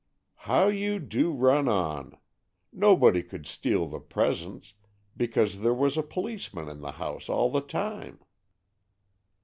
"How you do run on! Nobody could steal the presents, because there was a policeman in the house all the time."